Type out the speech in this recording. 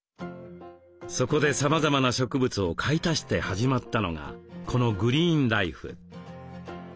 そこでさまざまな植物を買い足して始まったのがこのグリーンライフ。